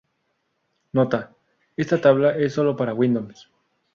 Nota: Esta tabla es solo para Windows.